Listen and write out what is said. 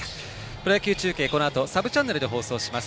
プロ野球中継、このあとサブチャンネルで放送します。